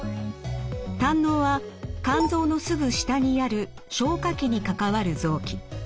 胆のうは肝臓のすぐ下にある消化器に関わる臓器。